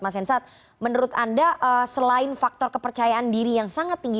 mas hensat menurut anda selain faktor kepercayaan diri yang sangat tinggi